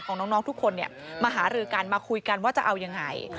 ของน้องทุกคนมาหารือกันมาคุยกันว่าจะเอายังไง